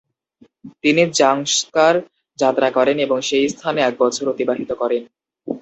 তিনি জাংস্কার যাত্রা করেন এবং সেই স্থানে এক বছর অতিবাহিত করেন।